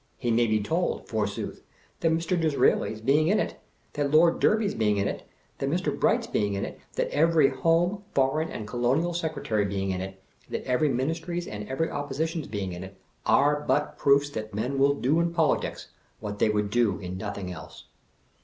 He may be told, forsooth, that Me. DiSEABLi's being in it, that Lord Deeby's being in it, that Me. Beight's being in it, that every Home, Foreign, and Colonial Secretary's being in it, that every ministry's and every opposition's being in it, are but proofs that men will do in politics what they would do in nothing else.